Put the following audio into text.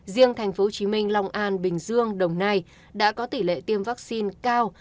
riêng thành phố hồ chí minh long an bình dương đồng nai đã có tỷ lệ tiêm vaccine cao